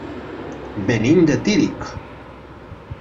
Venim de Tírig.